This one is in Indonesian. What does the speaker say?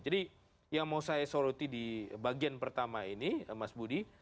jadi yang mau saya soroti di bagian pertama ini mas budi